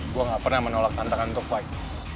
saya gak pernah menolak tantangan untuk berjuang